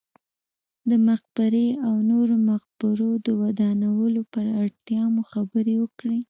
د مقبرې او نورو مقبرو د ودانولو پر اړتیا مو خبرې وکړې.